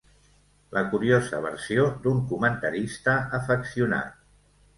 La curiosa versió d’un comentarista afeccionat.